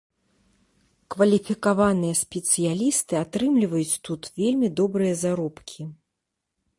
Кваліфікаваныя спецыялісты атрымліваюць тут вельмі добрыя заробкі.